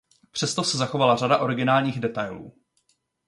Přesto se zachovala řada originálních detailů.